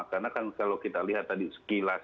karena kalau kita lihat tadi sekilas ya